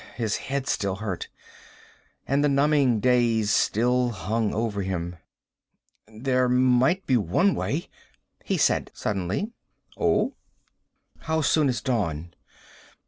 His head still hurt. And the numbing daze still hung over him. "There might be one way," he said suddenly. "Oh?" "How soon is dawn?"